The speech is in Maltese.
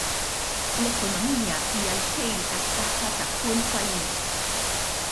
L-ekonomija hija l-kejl tas-saħħa ta' kull pajjiż.